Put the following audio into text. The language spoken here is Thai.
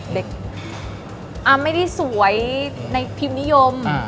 เด็กไม่ได้สวยในพิมพ์นิยม